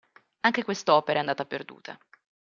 Anche ques'opera è andata perduta.